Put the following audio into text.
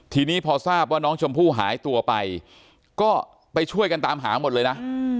ทีนี้พอทราบว่าน้องชมพู่หายตัวไปก็ไปช่วยกันตามหาหมดเลยนะ